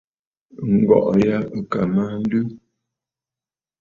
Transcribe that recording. Ǹgɔ̀ʼɔ̀ ya ɨ̀ kà mə aa nlɨ.